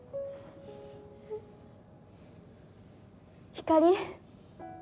ひかり。